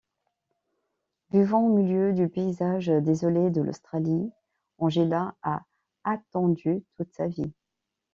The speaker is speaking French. Vivant au milieu du paysage désolé de l'Australie, Angela a attendu toute sa vie.